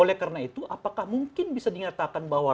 oleh karena itu apakah mungkin bisa dinyatakan bahwa